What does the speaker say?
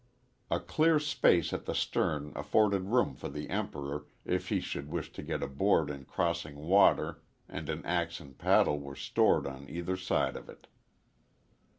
A clear space at the stern afforded room for the Emperor if he should wish to get aboard in crossing water and an axe and paddle were stored on either side of it.